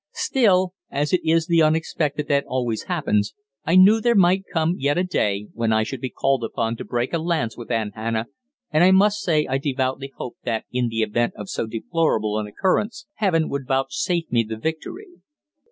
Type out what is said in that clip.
Still, as it is the unexpected that always happens, I knew there might yet come a day when I should be called upon to break a lance with Aunt Hannah, and I must say I devoutly hoped that in the event of so deplorable an occurrence, heaven would vouchsafe me the victory.